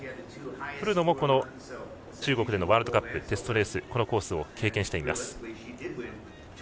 古野も中国でのワールドカップテストレースでこのコースを経験しています。